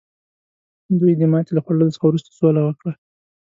دوی د ماتې له خوړلو څخه وروسته سوله وکړه.